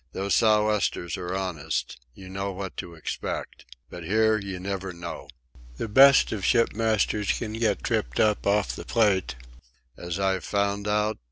"Those sou' westers are honest. You know what to expect. But here you never know. The best of ship masters can get tripped up off the Plate." "'As I've found out